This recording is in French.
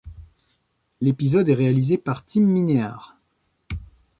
L'épisode est réalisé par Tim Minear.